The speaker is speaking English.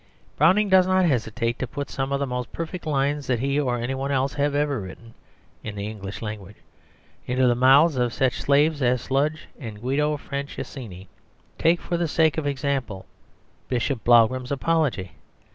Browning does not hesitate to put some of the most perfect lines that he or anyone else have ever written in the English language into the mouths of such slaves as Sludge and Guido Franceschini. Take, for the sake of example, "Bishop Blougram's Apology."